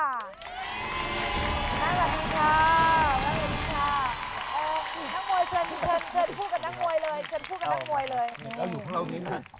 เราอยู่พรุ่งนี้ค่ะ